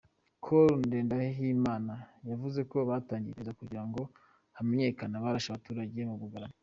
Col Ndendahimana yavuze ko batangiye iperereza kugira ngo hamenyekane abarashe abaturage ba Bugarama.